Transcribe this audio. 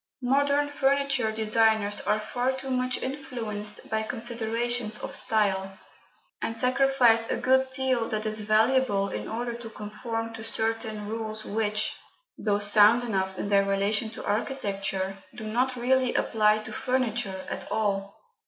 Modern furniture designers are far too much influenced by considerations of style, and sacrifice a good deal that is valuable in order to conform to certain rules which, though sound enough in their relation to architecture, do not really apply to furniture at all.